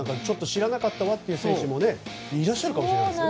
知らなかったっていう選手もいらっしゃるかもしれない。